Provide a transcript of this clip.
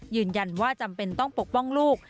ยืนยันว่าจำเป็นต้องปกป้องลูก